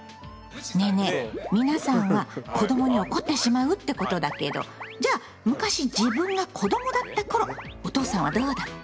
ねぇねぇ皆さんは子どもに怒ってしまうってことだけどじゃあ昔自分が子どもだった頃お父さんはどうだった？